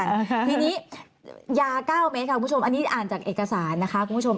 ทีนี้ยาเก้าเมตรค่ะคุณผู้ชมอันนี้อ่านจากเอกสารนะคะคุณผู้ชม